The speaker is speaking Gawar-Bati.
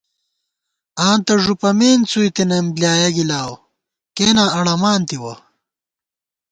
آں تہ ݫُپَمېن څُوئیتنَئیم بۡلیایَہ گِلاؤ کېنا اڑَمان تِوَہ